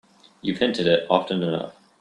You've hinted it often enough.